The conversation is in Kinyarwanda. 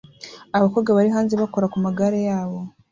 abakobwa bari hanze bakora ku magare yabo